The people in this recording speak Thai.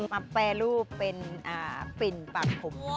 มาแปรรูปเป็นฟิลปากผม